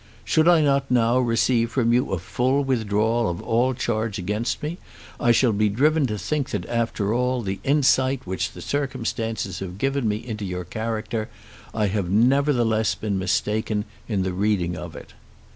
Should I not now receive from you a full withdrawal of all charge against me, I shall be driven to think that after all the insight which circumstances have given me into your character, I have nevertheless been mistaken in the reading of it.